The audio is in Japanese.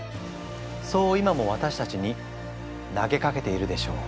そう今も私たちに投げかけているでしょう。